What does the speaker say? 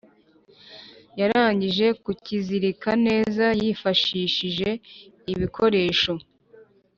Yarangije kukizirika neza yifashishije ibikoresho